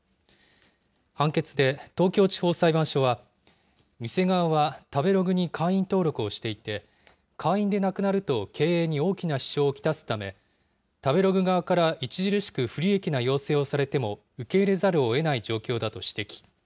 判決で東京地方裁判所は、店側は食べログに会員登録していて、会員でなくなると経営に大きな支障を来すため、食べログ側から著しく不利益な要請をされても受け入れざるをえない状況だと指摘。